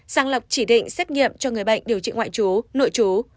sáng lọc chỉ định xét nghiệm cho người bệnh điều trị ngoại chú nội chú